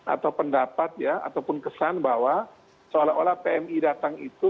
atau pendapat ya ataupun kesan bahwa seolah olah pmi datang itu